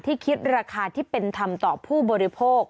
คิดราคาที่เป็นธรรมต่อผู้บริโภค